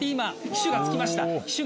「機首が着きました。